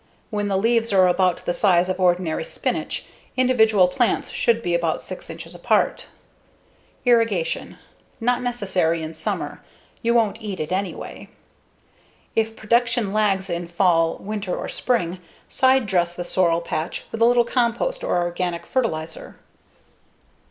When the leaves are about the size of ordinary spinach, individual plants should be about 6 inches apart. Irrigation: Not necessary in summer you won't eat it anyway. If production lags in fall, winter, or spring, side dress the sorrel patch with a little compost or organic fertilizer.